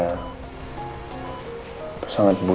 itu sangat buruk